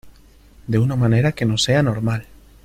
de una manera que no sea normal.